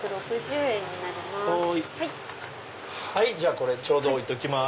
これちょうど置いときます。